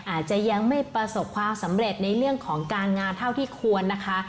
อาจจะยังไม่ประสบความสำเร็จในเรื่องของการงานเท่าที่ควรนะคะ